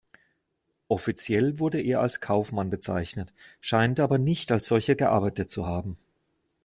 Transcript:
Offiziell wurde er als Kaufmann bezeichnet, scheint aber nicht als solcher gearbeitet zu haben.